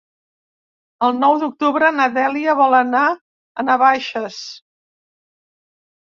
El nou d'octubre na Dèlia vol anar a Navaixes.